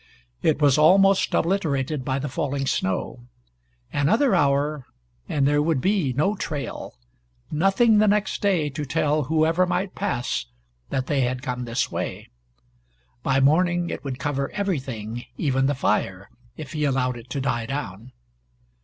It was almost obliterated by the falling snow. Another hour and there would be no trail nothing the next day to tell whoever might pass that they had come this way. By morning it would cover everything, even the fire, if he allowed it to die down.